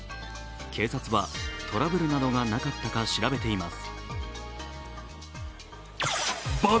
警察はトラブルなどがなかったか調べています。